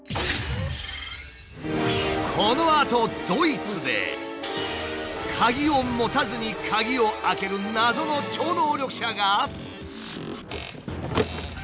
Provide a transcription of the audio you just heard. このあとドイツで鍵を持たずに鍵を開ける謎の超能力者が。